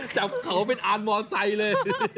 จับเขาเป็นอารมอสไทยเลย